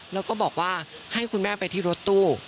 แล้วก็บอกว่าให้คุณแม่ไปที่รถตู้